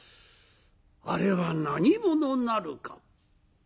「あれは何者なるか」。